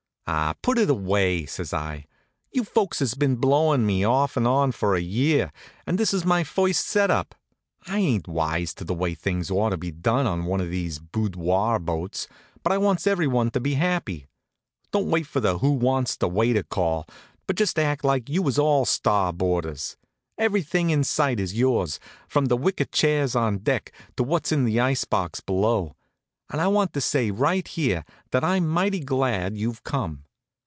"Ah, put it away!" says I. "You folks has been blowin' me, off'n on for a year, and this is my first set up. I ain't wise to the way things ought to be done on one of these boudoir boats, but I wants everyone to be happy. Don't wait for the Who wants the waiter call, but just act like you was all star boarders. Everything in sight is yours, from, the wicker chairs on deck, to what's in the ice box below. And I want to say right here that I'm mighty glad you've come.